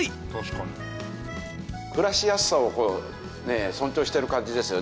暮らしやすさを尊重している感じですよね。